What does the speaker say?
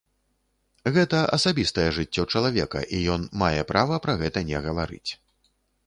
Гэта асабістае жыццё чалавека, і ён мае права пра гэта не гаварыць.